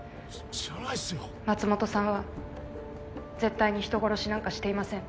松本さんは絶対に人殺しなんかしていません。